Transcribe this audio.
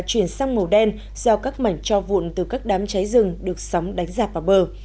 chuyển sang màu đen do các mảnh cho vụn từ các đám cháy rừng được sóng đánh giạp vào bờ